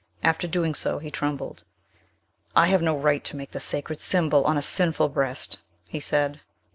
After doing so he trembled. "I have no right to make the sacred symbol on a sinful breast!" he said.